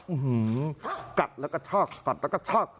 อื้อหือกัดแล้วก็ช็อกกัดแล้วก็ช็อก